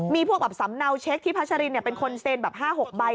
มีพวกแบบสำเนาเช็คที่พัชรินเป็นคนเซ็นแบบ๕๖ใบ